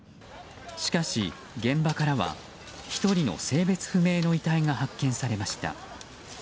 しかし、現場からは１人の性別不明の遺体が発見されました。